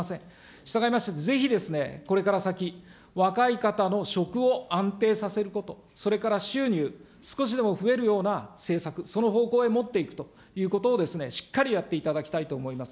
したがいまして、ぜひですね、これから先、若い方の職を安定させること、それから収入、少しでも増えるような政策、その方向へ持っていくということを、しっかりやっていただきたいと思います。